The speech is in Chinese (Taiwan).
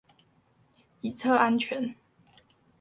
以策安全